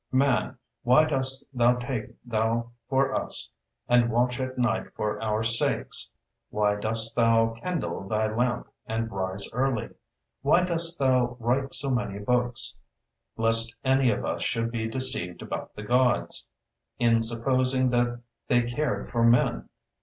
Man, why dost thou take thought for us, and watch at night for our sakes? Why dost thou kindle thy lamp and rise early? why dost thou write so many books, lest any of us should be deceived about the Gods, in supposing that they cared for men?